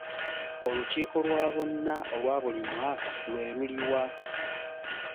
Olukiiko lwa bonna olwa buli mwaka lwe luliwa?